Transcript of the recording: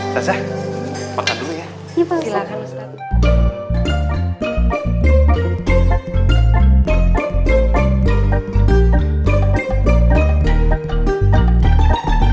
terima kasih cupee